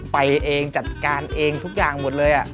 ไปเองจัดการเองทุกอย่างหมดเลย